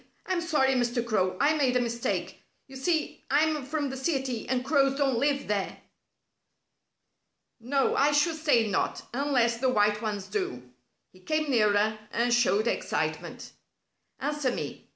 I'm sorry, Mr. Crow, I made a mistake. You see, I'm from the city, and crows don't live there." "No, I should say not unless the white ones do." He came nearer and showed excitement. "Answer me.